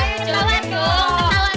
kita ketawa dong